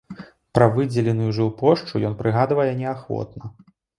Пра выдзеленую жылплошчу ён прыгадвае неахвотна.